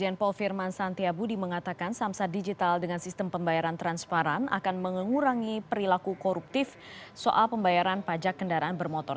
irjen paul firman santiabudi mengatakan samsat digital dengan sistem pembayaran transparan akan mengurangi perilaku koruptif soal pembayaran pajak kendaraan bermotor